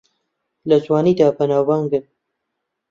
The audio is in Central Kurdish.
لە جوانیدا بەناوبانگن